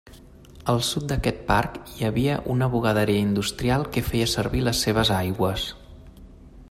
Al sud d'aquest parc hi havia una bugaderia industrial que feia servir les seves aigües.